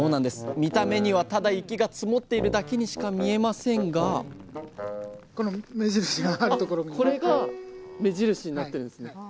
見た目にはただ雪が積もっているだけにしか見えませんがこれが目印になってるんですね。